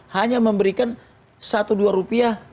hanya memberikan satu dua rupiah